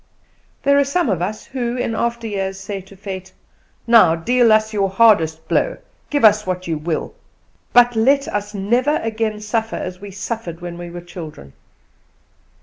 There are some of us who in after years say to Fate, "Now deal us your hardest blow, give us what you will; but let us never again suffer as we suffered when we were children."